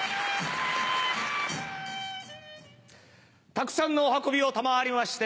たくさんのお運びを賜りまして